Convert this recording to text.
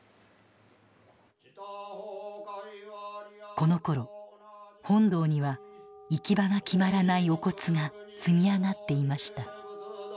このころ本堂には行き場が決まらないお骨が積み上がっていました。